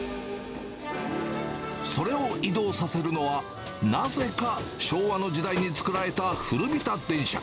それを移動させるのは、なぜか昭和の時代に造られた古びた電車。